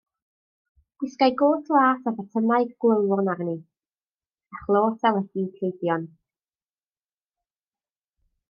Gwisgai got las a botymau gloywon arni, a chlos a legins llwydion.